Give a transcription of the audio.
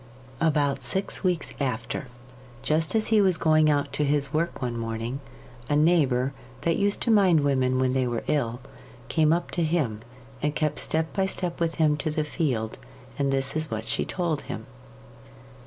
About six weeks after just as he was going out to his work one morning a neighbour, that used to mind women when they were ill, came up to him, and kept step by step with him to the field, and this is what she told him.